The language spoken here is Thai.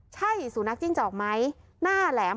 ใช่สุนัขจิ้งจอกไหมหน้าแหลม